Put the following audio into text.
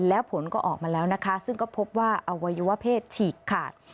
แล้วผลก็ออกมาแล้วนะคะซึ่งก็พบว่าอวัยวะเพศฉีกขาด